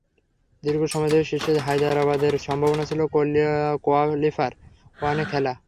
দীর্ঘ সময় ধরে শীর্ষে থাকা হায়দরাবাদের সম্ভাবনা ছিল কোয়ালিফায়ার ওয়ানে খেলা।